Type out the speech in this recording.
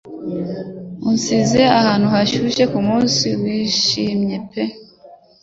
Usize ahantu hashyushye k'umunsi wishimye pe